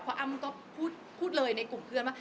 เพราะอ้ำก็พูดเลยในกลุ่มเพื่อนว่า